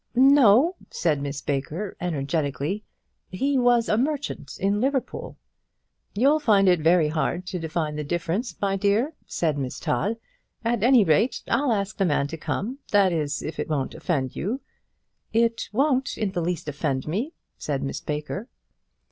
"No," said Miss Baker, energetically; "he was a merchant in Liverpool." "You'll find it very hard to define the difference, my dear," said Miss Todd. "At any rate I'll ask the man to come; that is, if it won't offend you." "It won't in the least offend me," said Miss Baker.